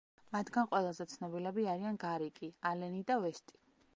მათგან ყველაზე ცნობილები არიან გარიკი, ალენი და ვესტი.